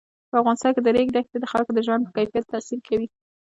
په افغانستان کې د ریګ دښتې د خلکو د ژوند په کیفیت تاثیر کوي.